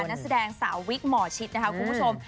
นักแสดงสาววิกหมอชิดนะคะคุณผู้ชม